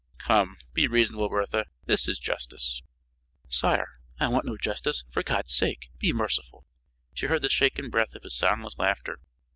"Come! Be reasonable, Bertha. This is justice." "Sire, I want no justice. For God's sake, be merciful." She heard the shaken breath of his soundless laughter.